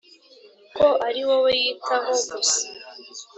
ko ari wowe yitaho gusa